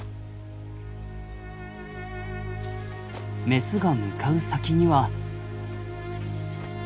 メスが向かう先には。